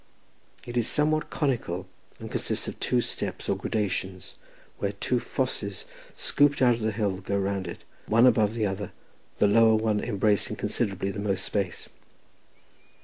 It is somewhat conical, and consists of two steps, or gradations, where two fosses scooped out of the hill go round it, one above the other, the lower one embracing considerably the most space.